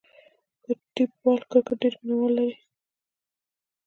د ټیپ بال کرکټ ډېر مینه وال لري.